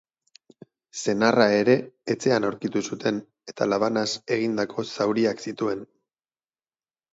Senarra ere etxean aurkitu zuten, eta labanaz egindako zauriak zituen.